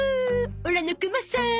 オラのクマさん。